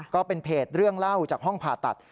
ก็เป็นเพจเรื่องเล่าจากห้องผ่าตัด